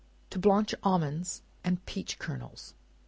To Blanch Almonds and Peach Kernels.